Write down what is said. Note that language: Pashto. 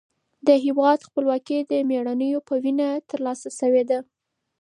د هېواد خپلواکي د مېړنیو په وینه ترلاسه شوې ده.